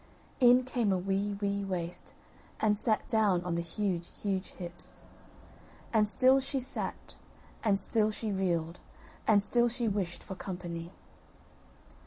In came a wee wee waist, and sat down on the huge huge hips; And still she sat, and still she reeled, and still she wished for company.